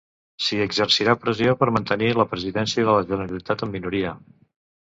Si exercira pressió per mantenir la presidència de la Generalitat en minoria.